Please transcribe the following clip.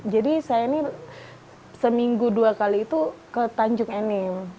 jadi saya ini seminggu dua kali itu ke tanjung enim